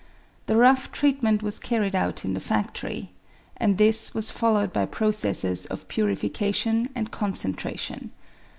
The rough treatment was carried out in the fadory ; and this was followed by processes of purification and concentration.